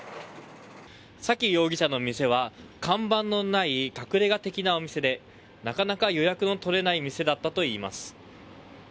崎容疑者の店は、看板のない隠れ家的なお店でなかなか予約のとれない店だったといいます。